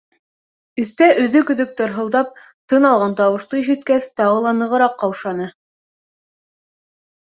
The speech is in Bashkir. Эстә өҙөк-өҙөк тырһылдап тын алған тауышты ишеткәс, тағы ла нығыраҡ ҡаушаны.